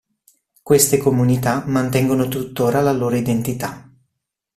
Queste comunità mantengono tuttora la loro identità.